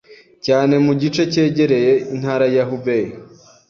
cyane mu gice cyegereye intara ya Hubei